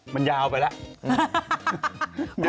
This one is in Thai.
มันยาวไปแล้ว